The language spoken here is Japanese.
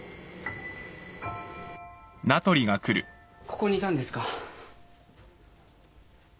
・ここにいたんですか。